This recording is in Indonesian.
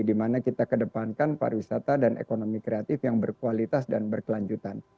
dimana kita kedepankan pariwisata dan ekonomi kreatif yang berkualitas dan berkelanjutan